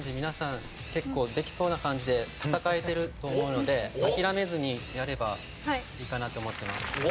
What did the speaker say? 皆さん結構できそうな感じで戦えてると思うので諦めずにやればいいかなって思ってます。